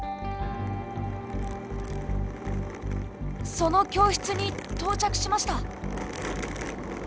その教室に到着しました。